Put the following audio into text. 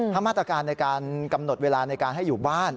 ถ้ามาตรการในการกำหนดเวลาในการให้อยู่บ้าน